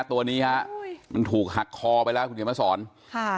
ตัวนี้ฮะมันถูกหักคอไปแล้วคุณเขียนมาสอนค่ะ